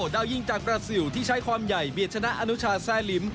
ดาวยิงจากกระซิวที่ใช้ความใหญ่เบียดชนะอนุชาแซ่ลิ้ม